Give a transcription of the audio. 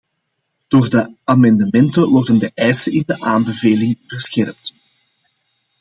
Door de amendementen worden de eisen in de aanbeveling verscherpt.